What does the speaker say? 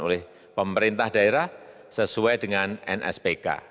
oleh pemerintah daerah sesuai dengan nspk